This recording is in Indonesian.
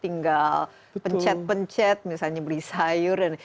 tinggal pencet pencet misalnya beli sayur dan